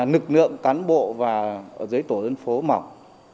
nực nượng cán bộ và dưới tổ dân phố mỏng